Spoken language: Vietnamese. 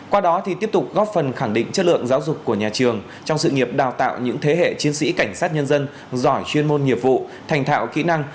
qua đó thì tiếp tục góp phần khẳng định chất lượng giáo dục của nhà trường trong sự nghiệp đào tạo những thế hệ chiến sĩ cảnh sát nhân dân giỏi chuyên môn nghiệp vụ thành thạo kỹ năng